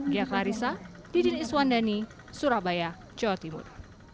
gia klarissa didin iswandani surabaya jawa timur